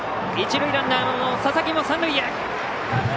一塁ランナーの佐々木も三塁へ！